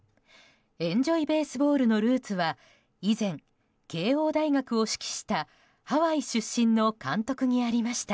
エンジョイベースボールのルーツは以前、慶応大学を指揮したハワイ出身の監督にありました。